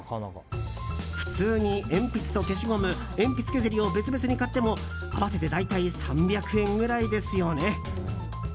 普通に鉛筆と消しゴム鉛筆削りを別々に買っても合わせて大体３００円ぐらいですよね。